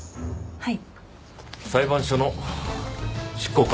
はい。